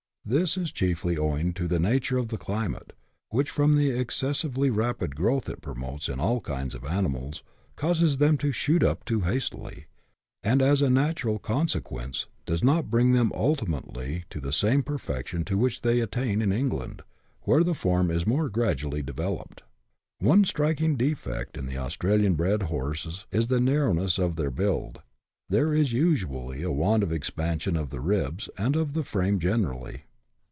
This is chiefly owing to the nature of the climate, which, from the excessively rapid growth it promotes in all kinds of animals, causes them to shoot up too hastily, and, as a natural conse CHAP. VII.] QUALITY OF AUSTRALIAN HORSES. 83 quence, does not bring them ultimately to the same perfection to which they attain in England, where the form is more gradually developed. One striking defect in the Australian bred horses is the nar rowness of their " build ;" there is usually a want of expansion of the ribs and of the frame generally.